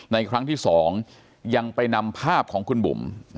ครั้งที่๒ยังไปนำภาพของคุณบุ๋ม